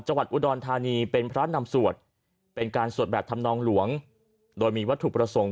จังหวัดอุดรธานีเป็นพระนำสวดเป็นการสวดแบบธรรมนองหลวงโดยมีวัตถุประสงค์